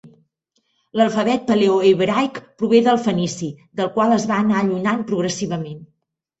L'alfabet paleohebraic prové del fenici, del qual es va anar allunyant progressivament.